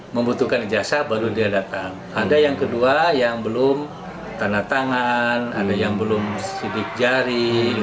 membutuhkan ijazah baru dia datang ada yang kedua yang belum tanda tangan ada yang belum sidik jari